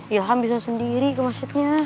ilham bisa sendiri ke masjidnya